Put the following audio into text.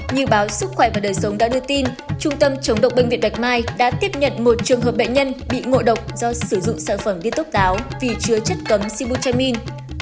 như báo sức khỏe và đời sống đã đưa tin trung tâm chống độc bệnh viện bạch mai đã tiếp nhận một trường hợp bệnh nhân bị ngộ độc do sử dụng sản phẩm đi tốc táo vì chứa chất cấm simu chaimin